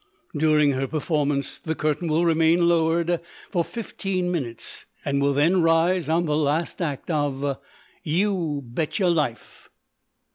"During her performance the curtain will remain lowered for fifteen minutes and will then rise on the last act of 'You Betcha Life.